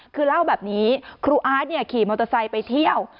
คือเล่าแบบนี้ครูอาร์ตขี่มอเตอร์ไซค์ไปเที่ยว